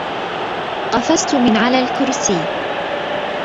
قفزت من على الكرسي.